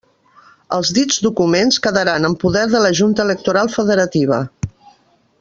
Els dits documents quedaran en poder de la junta electoral federativa.